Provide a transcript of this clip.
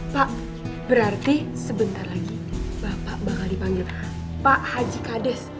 pak berarti sebentar lagi bapak bakal dipanggil pak haji kades